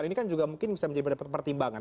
ini kan juga mungkin bisa menjadi pertimbangan